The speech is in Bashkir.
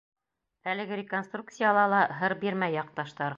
Әлеге реконструкцияла ла һыр бирмәй яҡташтар.